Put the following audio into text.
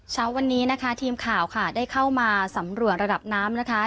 เช้าวันนี้นะคะทีมข่าวค่ะได้เข้ามาสำรวจระดับน้ำนะคะ